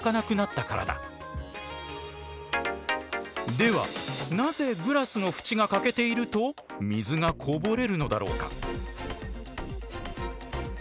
ではなぜグラスの縁が欠けていると水がこぼれるのだろうか。